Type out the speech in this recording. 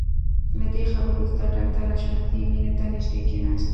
له دې خبرو وروسته ډاکټر حشمتي مينې ته نږدې کښېناست.